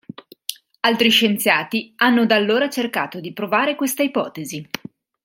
Altri scienziati hanno da allora cercato di provare questa ipotesi.